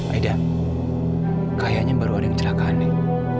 aidan kayaknya baru ada yang celakaan nih